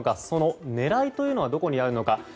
その狙いというのはどこにあるのか。